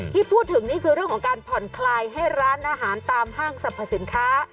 ที่พูดถึงนี่คือเรื่องของการผ่อนคลายให้ร้านอาหารตามห้างสรรพสินค้า